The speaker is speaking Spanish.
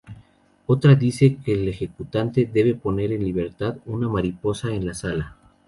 Otra dice que el ejecutante debe poner en libertad una mariposa en la sala.